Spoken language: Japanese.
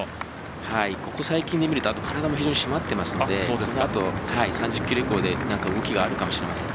ここ最近で見ると体も非常に締まっていますのでこのあと、３０ｋｍ以降で何か動きがあるかもしれません。